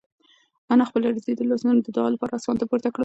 انا خپل لړزېدلي لاسونه د دعا لپاره اسمان ته پورته کړل.